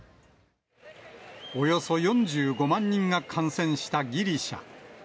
およそ４５万人が感染したギリシャ。